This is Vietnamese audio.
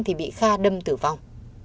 thì bị kha đâm tử vong